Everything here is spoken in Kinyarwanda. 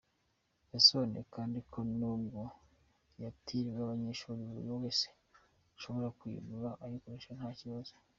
Yasobanuye kandi ko nubwo yitiriwe abanyeshuri, buri wese ashobora kuyigura akayikoresha nta kibazo.